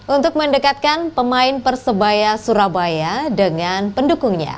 untuk mendekatkan pemain persebaya surabaya dengan pendukungnya